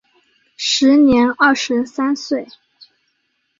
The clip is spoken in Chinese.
时年二十三岁。